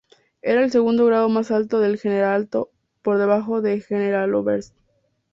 Era el segundo grado más alto del generalato por debajo de Generaloberst.